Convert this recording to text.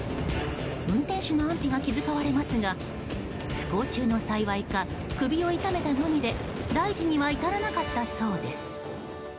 運転手の安否が気遣われますが不幸中の幸いか首を痛めたのみで大事には至らなかったそうです。